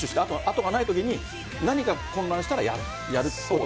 後がないときに何か混乱したらやるということ？